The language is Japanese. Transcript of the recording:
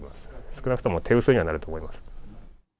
少なくとも手薄にはなると思います。